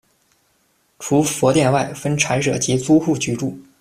除佛殿外，分禅舍及租户居住。